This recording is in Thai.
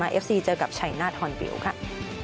ไทยลีคแข่งขันกัน๔ประตูต่อ๒